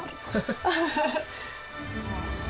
ハハハハ。